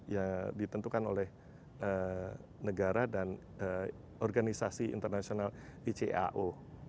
yang ditentukan oleh negara dan organisasi internasional icao